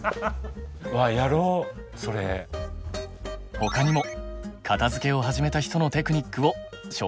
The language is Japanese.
他にも片づけを始めた人のテクニックを紹介しますね。